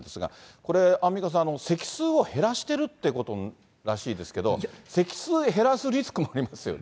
これ、アンミカさん、席数を減らしてるということらしいですけど、席数減らすリスクもありますよね。